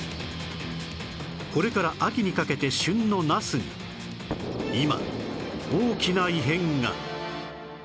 これから秋にかけて旬のなすに今大きな異変が